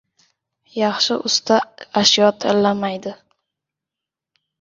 • Yaxshi usta ashyo tanlamaydi.